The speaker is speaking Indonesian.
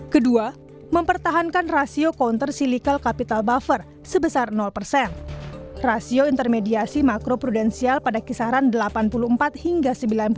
kedua mempertahankan rasio counter cylical capital buffer sebesar persen rasio intermediasi makro prudensial pada kisaran delapan puluh empat hingga sembilan puluh